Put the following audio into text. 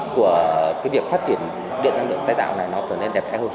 của cái điểm phát triển điện năng lượng tái tạo này nó trở nên đẹp đẹp hơn